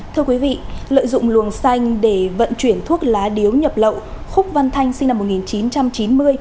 thưa quý vị lợi dụng luồng xanh để vận chuyển thuốc lá điếu nhập lậu khúc văn thanh sinh năm một nghìn chín trăm chín mươi